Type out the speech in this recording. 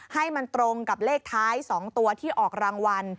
ให้มันตรงกับเลขท้าย๒ตัวที่ออกรางวัล